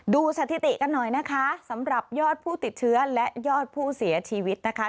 สถิติกันหน่อยนะคะสำหรับยอดผู้ติดเชื้อและยอดผู้เสียชีวิตนะคะ